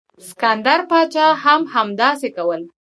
سکندر پاچا هم همداسې کول.